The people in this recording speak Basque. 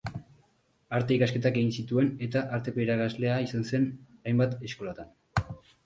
Arte-ikasketak egin zituen, eta Arteko irakaslea izan zen hainbat eskolatan.